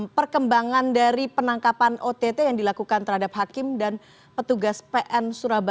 perkembangan dari penangkapan ott yang dilakukan terhadap hakim dan petugas pn surabaya